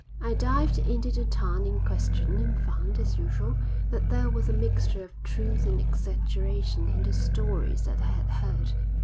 I dived into the town in question and found, as usual, that there was a mixture of truth and exaggeration in the stories that I had heard.